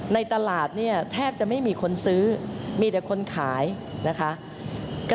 ในตลาดเนี่ยแทบจะไม่มีคนซื้อมีแต่คนขายนะคะ